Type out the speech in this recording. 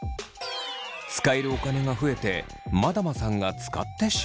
使えるお金が増えてまだまさんが使ってしまうのは。